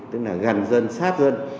tức là gần dân sát dân